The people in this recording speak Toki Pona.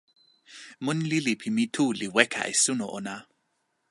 mun lili pi mi tu li weka e suno ona.